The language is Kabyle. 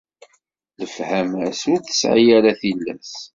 Lefhama-s ur tesɛi ara tilas.